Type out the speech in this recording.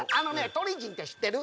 鳥人って知ってる？